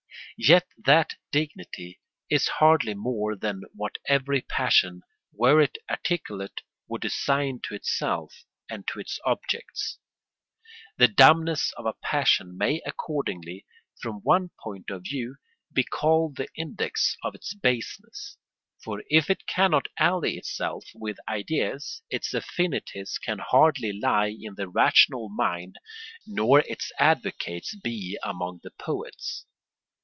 Yet that dignity is hardly more than what every passion, were it articulate, would assign to itself and to its objects. The dumbness of a passion may accordingly, from one point of view, be called the index of its baseness; for if it cannot ally itself with ideas its affinities can hardly lie in the rational mind nor its advocates be among the poets.